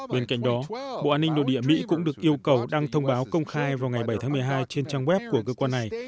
bên cạnh đó bộ an ninh nội địa mỹ cũng được yêu cầu đăng thông báo công khai vào ngày bảy tháng một mươi hai trên trang web của cơ quan này